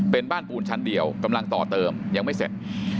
เป็นบ้านปูนชั้นเดียวกำลังต่อเติมยังไม่เสร็จ